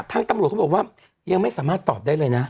ทางตำรวจเขาบอกว่ายังไม่สามารถตอบได้เลยนะ